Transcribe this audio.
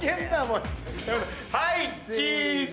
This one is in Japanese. はいチーズ。